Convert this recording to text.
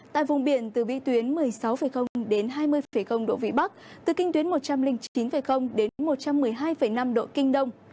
tại vùng biển từ vĩ tuyến một mươi sáu đến hai mươi độ vĩ bắc từ kinh tuyến một trăm linh chín đến một trăm một mươi hai năm độ kinh đông